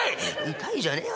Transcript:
「痛いじゃねえよ